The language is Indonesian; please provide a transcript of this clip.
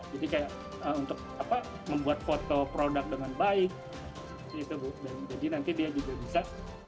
jadi kayak untuk membuat foto produk dengan baik jadi nanti dia juga bisa